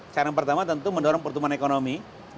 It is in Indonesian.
cara yang pertama tentu mendorong pertumbuhan ekonomi